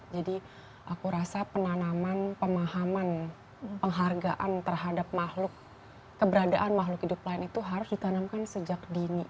jadi aku rasa penanaman pemahaman penghargaan terhadap makhluk keberadaan makhluk hidup lain itu harus ditanamkan sejak dini